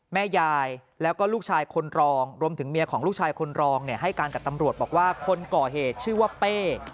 แม่ยายแล้วก็ลูกชายคนรองรวมถึงเมียของลูกชายคนรองให้การกับตำรวจบอกว่าคนก่อเหตุชื่อว่าเป้